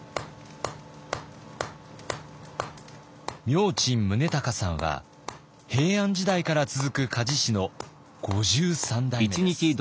明珍宗敬さんは平安時代から続く鍛冶師の５３代目です。